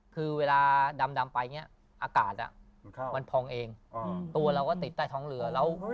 คือเวลาดำไปอากาศมันพองเองตัวเราก็ติดใต้ท้องเรือ